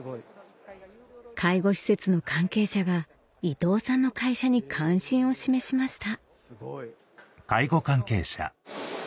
介護施設の関係者が伊藤さんの会社に関心を示しました